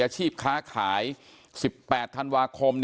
อาชีพค้าขาย๑๘ธันวาคม